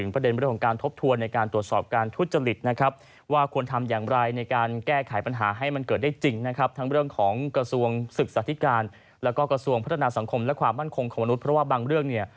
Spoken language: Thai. เพราะว่าบางเรื่องเนี่ย